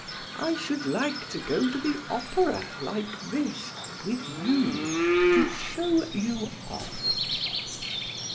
I should like to go to the opera like this, with you, to show you off."